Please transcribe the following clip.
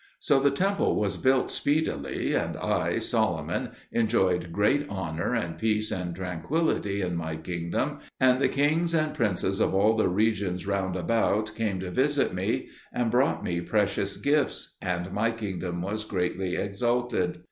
So the temple was built speedily, and I, Solomon, enjoyed great honour and peace and tranquillity in my kingdom, and the kings and princes of all the regions round about came to visit me, and brought me precious gifts; and my kingdom was greatly exalted.